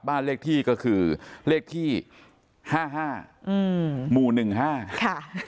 บ้านเลขที่ก็คือเลขที่ห้าห้าอืมหมู่หนึ่งห้าค่ะ